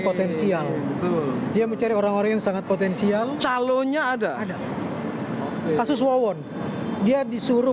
potensial betul dia mencari orang orang yang sangat potensial calonnya ada ada kasus wawon dia disuruh